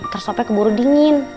teresopnya keburu dingin